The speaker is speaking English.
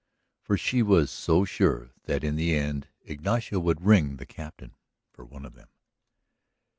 For she was so sure that in the end Ignacio would ring the Captain for one of them.